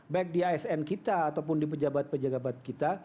baik di asn kita ataupun di pejabat pejabat kita